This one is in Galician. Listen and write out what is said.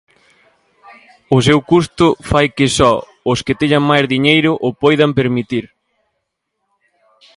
O seu custo fai que só os que teñan máis diñeiro o poidan permitir.